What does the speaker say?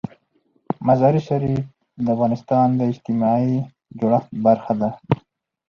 مزارشریف د افغانستان د اجتماعي جوړښت برخه ده.